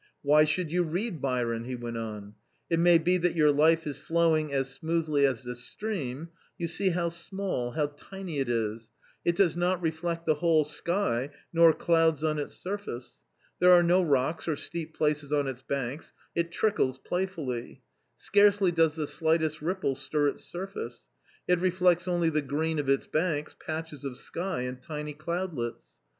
" Why should you read Byron ?" he went on ;" it may be that your life is flowing as smoothly as this stream ; you see how small, how tiny it is ; it does not reflect the whole sky nor clouds on its surface; there are no rocks or steep places on its banks, it trickles playfully ; scarcely does the slightest ripple stir its surface ; it reflects only the green of its banks, patches of sky and tiny cloudlets.